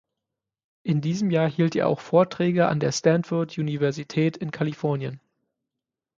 In diesem Jahr hielt er auch Vorträge an der Stanford-Universität in Kalifornien.